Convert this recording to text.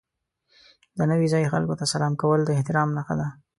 د نوي ځای خلکو ته سلام کول د احترام نښه ده.